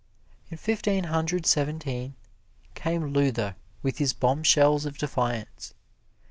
In Fifteen Hundred Seventeen, came Luther with his bombshells of defiance.